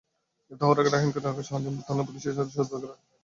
গ্রেপ্তার হওয়া রায়হানকে ঢাকার শাহজাহানপুর থানা পুলিশের কাছে সোপর্দ করা হবে।